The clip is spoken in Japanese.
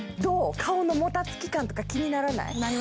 顔のもたつき感とか気にならない？